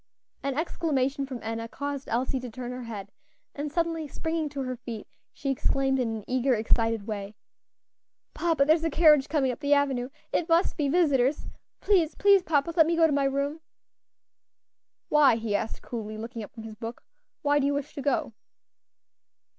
An exclamation from Enna caused Elsie to turn her head, and suddenly springing to her feet, she exclaimed in an eager, excited way, "Papa, there is a carriage coming up the avenue it must be visitors; please, please, papa, let me go to my room." "Why?" he asked coolly, looking up from his book, "why do you wish to go?"